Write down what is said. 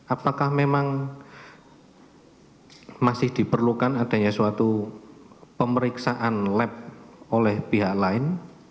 apakah memang masih diperlukan adanya suatu pemeriksaan lab oleh pihak lain